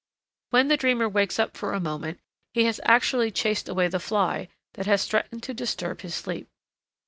When the dreamer wakes up for a moment, he has actually chased away the fly that has threatened to disturb his sleep.